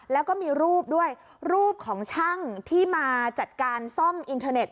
แล้วก็มีรูปด้วยรูปของช่างที่มาจัดการซ่อมอินเทอร์เน็ต